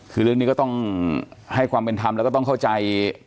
คือเรื่องนี้ก็ต้องให้ความเป็นธรรมแล้วก็ต้องเข้าใจ